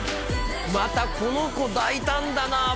またこの子大胆だな